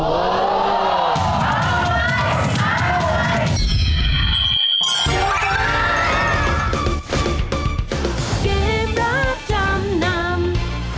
เกมรับจำนำ